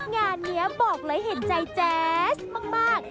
งานนี้บอกเลยเห็นใจแจ๊สมาก